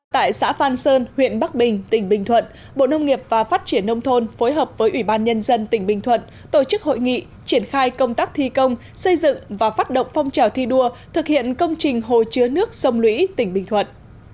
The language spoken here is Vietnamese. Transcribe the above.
tại xã phan sơn huyện bắc bình tỉnh bình thuận bộ nông nghiệp và phát triển nông thôn phối hợp với ủy ban nhân dân tỉnh bình thuận tổ chức hội nghị triển khai công tác thi công xây dựng và phát động phong trào thi đua thực hiện công trình hồ chứa nước sông lũy tỉnh bình thuận